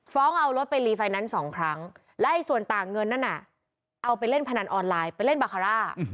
เอารถไปรีไฟแนนซ์สองครั้งและส่วนต่างเงินนั้นน่ะเอาไปเล่นพนันออนไลน์ไปเล่นบาคาร่า